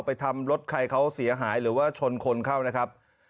ไปทำรถใครเขาเสียหายหรือว่าชนคนเข้านะครับ